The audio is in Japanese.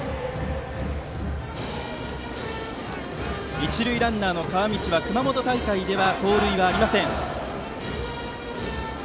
一塁ランナーの川道は熊本大会では盗塁はありません。